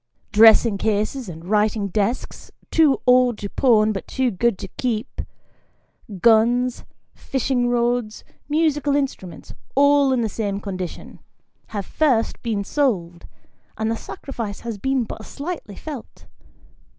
Dressing cases and writing desks, too old to pawn but too good to keep ; guns, fishing rods, musical instruments, all in the same condition ; have first been sold, and the sacrifice has been but slightly felt.